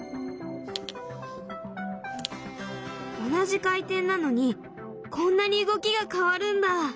同じ回転なのにこんなに動きが変わるんだ。